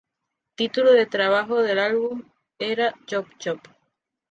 Título de trabajo del álbum era Chop Chop.